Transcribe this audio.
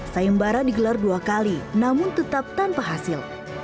sayembara digelar dua kali namun tetap tanpa hasil